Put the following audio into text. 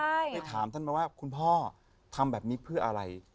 ได้ถามท่านมาว่าคุณพ่อทำแบบนี้เพื่ออะไร